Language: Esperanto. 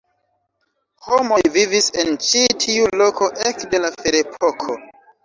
Homoj vivis en ĉi tiu loko ekde la ferepoko.